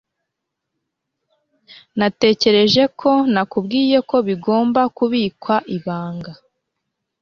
Natekereje ko nakubwiye ko bigomba kubikwa ibanga.